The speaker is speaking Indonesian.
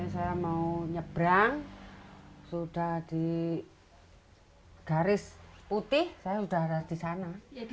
saya mau nyebrang sudah di garis putih saya sudah ada di sana